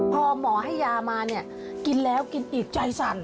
พอหมอให้ยามาเนี่ยกินแล้วกินอิดใจสั่น